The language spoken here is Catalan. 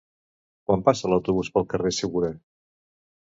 Quan passa l'autobús pel carrer Segura?